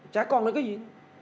chả còn nữa cái gì